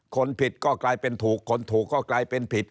คนผิดก็กลายเป็นถูกคนถูกก็กลายเป็นผิด